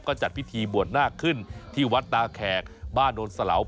ก็จัดพิธีบวลน่ากขึ้นที่วัชตาแขกบ้านโดรดิสลัว